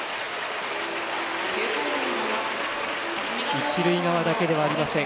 一塁側だけではありません。